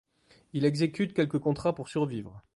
Il exécute quelques contrats pour survivre.